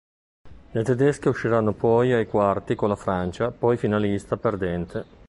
Le tedesche usciranno poi ai quarti con la Francia, poi finalista perdente.